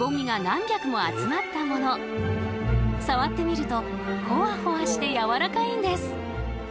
触ってみるとホワホワしてやわらかいんです。